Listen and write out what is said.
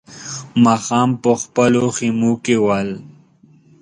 ماښام په خپلو خيمو کې ول.